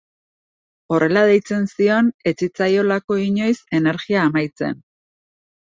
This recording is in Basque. Horrela deitzen zion ez zitzaiolako inoiz energia amaitzen.